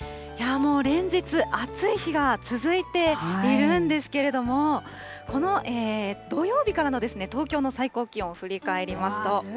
もう連日、暑い日が続いているんですけれども、この土曜日からの東京の最高気温を振り返りますと。